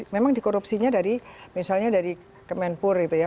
memang dikorupsinya dari misalnya dari kemenpur gitu ya